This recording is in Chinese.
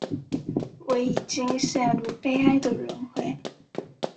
我已经陷入悲哀的轮回